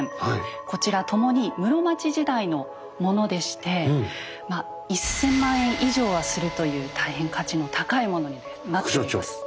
こちらともに室町時代のものでしてまあ１千万円以上はするという大変価値の高いものになっております。